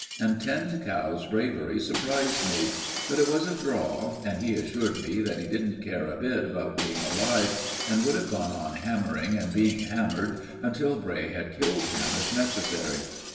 And Tinned Cow's bravery surprised me; but it was a draw, and he assured me that he didn't care a bit about being alive, and would have gone on hammering and being hammered until Bray had killed him if necessary.